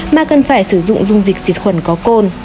mà cần phải sử dụng dung dịch dịch khuẩn có côn